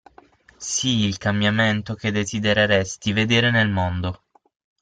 Sii il cambiamento che desidereresti vedere nel mondo.